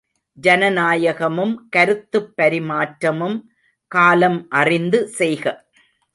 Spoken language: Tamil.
ஜனநாயகமும் கருத்துப் பரிமாற்றமும் காலம் அறிந்து செய்க!